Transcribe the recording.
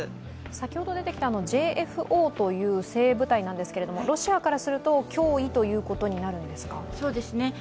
先ほど出てきたＪＦＯという精鋭部隊なんですが、ロシアからすると脅威ということになるんですか？